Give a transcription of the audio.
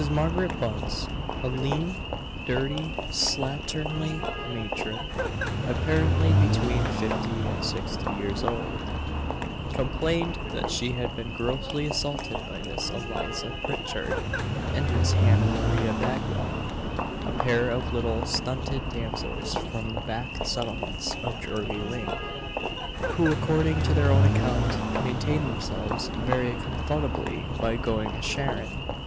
Margaret Bunce, a lean, dirty, slatternly matron, apparently between fifty and sixty years old, complained that she had been grossly assaulted by Miss Eliza Pritchard and Miss Hannah Maria Bagwell a pair of little stunted damsels from the back settlements of Drury lane; who, according to their own account, maintain themselves "very cumfuttably by going a charrin."